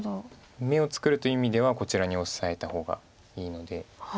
眼を作るという意味ではこちらにオサえた方がいいので。